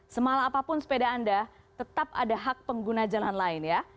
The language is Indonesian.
semalah apapun sepeda anda tetap ada hak pengguna jalan lain ya